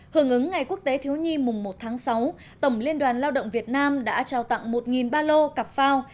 hưởng ứng ngày quốc tế thiếu nhi mùng một tháng sáu tổng liên đoàn lao động việt nam đã trao tặng một ba lô cặp phao